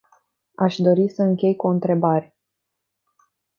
Aș dori să închei cu o întrebare.